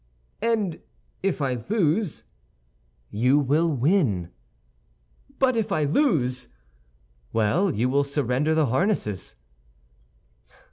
"And if I lose?" "You will win." "But if I lose?" "Well, you will surrender the harnesses."